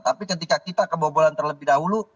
tapi ketika kita kebobolan terlebih dahulu